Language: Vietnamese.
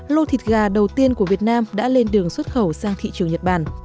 lô thịt gà đầu tiên của việt nam đã lên đường xuất khẩu sang thị trường